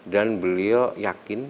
dan beliau yakin